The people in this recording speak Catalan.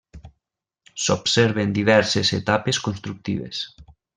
S'observen diverses etapes constructives.